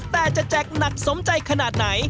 แต่จะแจกหนักสมใจขนาดไหน